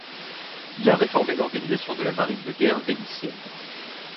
Il a réformé l'organisation de la marine de guerre vénitienne.